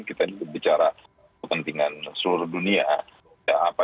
kita bicara kepentingan seluruh dunia